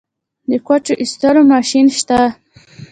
د کوچو ایستلو ماشین شته؟